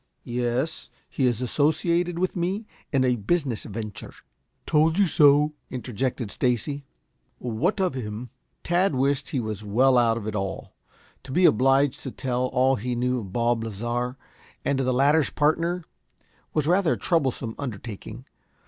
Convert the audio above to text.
"Yes; he is associated with me in a business venture." "Told you so," interjected Stacy. "What of him?" Tad wished he was well out of it all. To be obliged to tell all he knew of Bob Lasar, and to the latter's partner, was rather a troublesome undertaking.